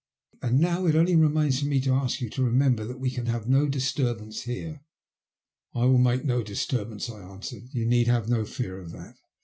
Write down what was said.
And now it only remains for me to ask you to remember that we can have no disturbance here." *' I will make no disturbance," I answered. You need have no fear of that.